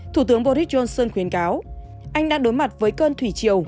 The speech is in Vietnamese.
thủ tướng boris johnson khuyến cáo anh đang đối mặt với cơn thủy triều